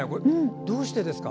どうしてですか？